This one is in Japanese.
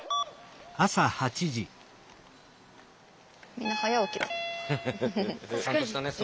みんな早起きだね。